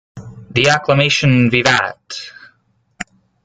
The acclamation Vivat!